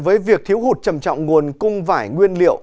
với việc thiếu hụt trầm trọng nguồn cung vải nguyên liệu